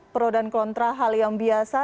pro dan kontra hal yang biasa